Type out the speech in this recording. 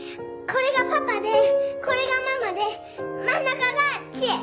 これがパパでこれがママで真ん中が知恵。